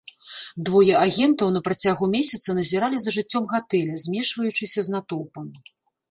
Двое агентаў на працягу месяца назіралі за жыццём гатэля, змешваючыся з натоўпам.